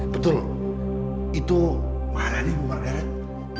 betul itu mana nih bu markeret